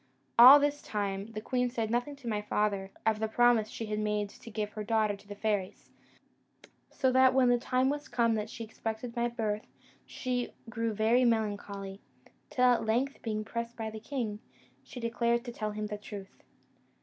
All this time the queen said nothing to my father of the promise she had made to give her daughter to the fairies; so that when the time was come that she expected my birth, she grew very melancholy; till at length, being pressed by the king, she declared to him the truth.